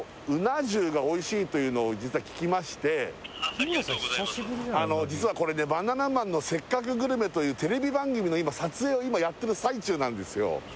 ☎いえいえあの今ね☎はい実はこれね「バナナマンのせっかくグルメ！！」というテレビ番組の撮影を今やってる最中なんですよ